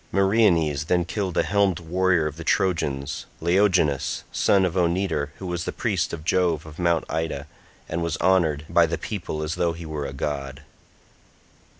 Meriones then killed a helmed warrior of the Trojans, Laogonus son of Onetor, who was priest of Jove of Mt. Ida, and was honoured by the people as though he were a god.